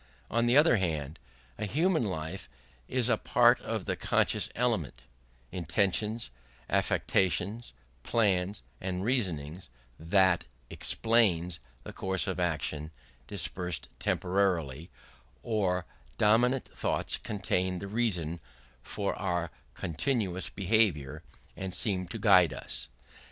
On the other hand, in human life it is a part of the conscious element intentions, affections, plans, and reasonings that explains the course of action: dispersed temporally, our dominant thoughts contain the reason for our continuous behaviour, and seem to guide it.